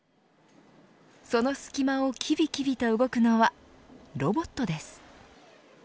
その隙間をきびきびと動くのはロボットです。